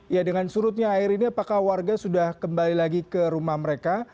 ya dengan surutnya air ini apakah warga sudah kembali lagi ke rumah mereka